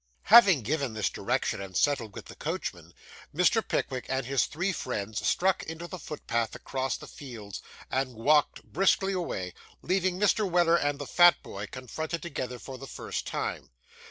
Having given this direction, and settled with the coachman, Mr. Pickwick and his three friends struck into the footpath across the fields, and walked briskly away, leaving Mr. Weller and the fat boy confronted together for the first time.